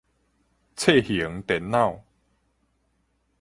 冊型電腦